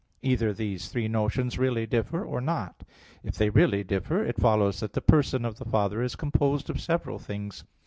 Either these three notions really differ, or not. If they really differ, it follows that the person of the Father is composed of several things.